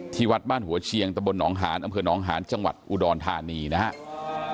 วัดบ้านหัวเชียงตะบลหนองหานอำเภอหนองหานจังหวัดอุดรธานีนะครับ